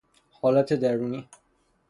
حالت درونی